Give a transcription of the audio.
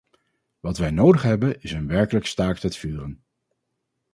Wat wij nodig hebben is een werkelijk staakt-het-vuren.